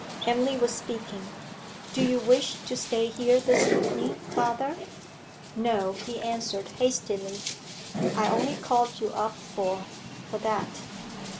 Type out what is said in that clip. Emily was speaking. 'Do you wish to stay here this evening, father?' 'No,' he answered hastily, 'I only called you up for for that.'